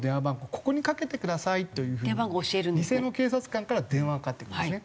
ここにかけてください」という風に偽の警察官から電話がかかってくるんですね。